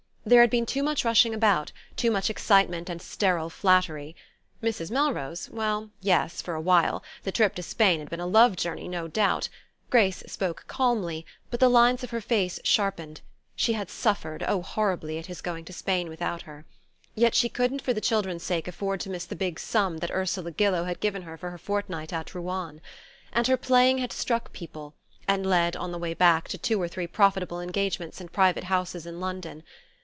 There had been too much rushing about, too much excitement and sterile flattery... Mrs. Melrose? Well, yes, for a while... the trip to Spain had been a love journey, no doubt. Grace spoke calmly, but the lines of her face sharpened: she had suffered, oh horribly, at his going to Spain without her. Yet she couldn't, for the children's sake, afford to miss the big sum that Ursula Gillow had given her for her fortnight at Ruan. And her playing had struck people, and led, on the way back, to two or three profitable engagements in private houses in London.